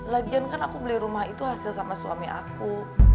lagian kan aku beli rumah itu hasil sama suami aku